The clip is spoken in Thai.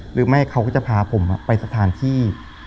หรือไม่เขาก็จะพาผมไปสถานที่